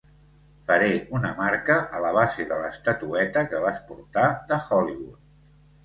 Faré una marca a la base de l'estatueta que vas portar de Hollywood.